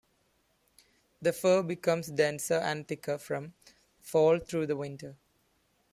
The fur becomes denser and thicker from fall through the winter.